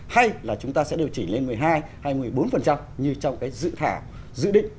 hay là chúng ta sẽ điều chỉnh lên một mươi hai hai mươi bốn như trong cái dự thả dự định